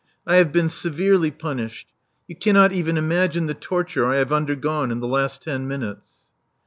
I have been severely punished. You cannot even imagine th^ torture I have undergone in the last ten minutes."